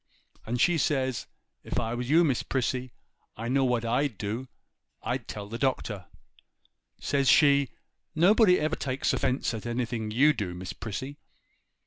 And says she, "If I was you, Miss Prissy, I know what I'd do; I'd tell the Doctor." Says she, "Nobody ever takes offence at anything you do, Miss Prissy."